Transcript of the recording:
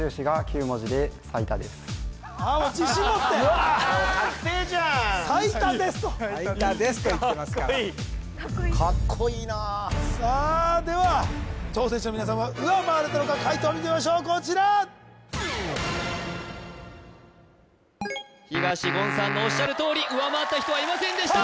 ああもう自信持ってうわ確定じゃん「最多です」と言ってますからカッコイイカッコいいカッコいいなさあでは挑戦者の皆さんは上回れたのか解答見てみましょうこちら東言さんのおっしゃるとおり上回った人はいませんでした